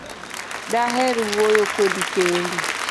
Daher wuoyo Kodi kendi